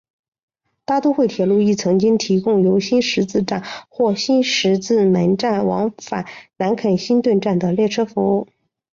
大都会铁路亦曾经提供由新十字站或新十字门站往返南肯辛顿站的列车服务。